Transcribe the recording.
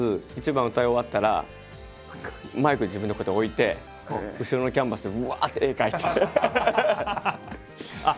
１番歌い終わったらマイク自分でこうやって置いて後ろのキャンバスでうわって絵描いて。